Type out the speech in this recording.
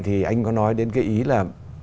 thì anh có nói đến cái ý là